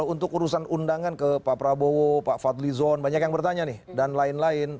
untuk urusan undangan ke pak prabowo pak fadlizon banyak yang bertanya nih dan lain lain